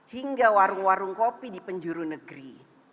hingga warung warung kopi di penjuru negeri